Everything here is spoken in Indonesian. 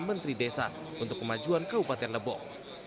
menteri desa untuk kemajuan kabupaten lebong